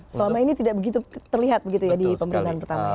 selama ini tidak begitu terlihat begitu ya di pemerintahan pertama